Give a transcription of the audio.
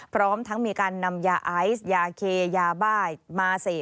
พร้อมทั้งมีการนำยาไอซ์ยาเคยาบ้ามาเสพ